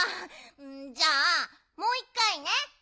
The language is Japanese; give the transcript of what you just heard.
じゃあもういっかいね。